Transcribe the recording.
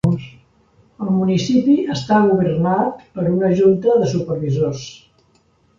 El municipi està governat per una Junta de Supervisors.